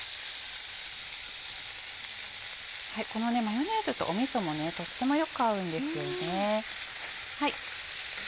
このマヨネーズとみそもとってもよく合うんですよね。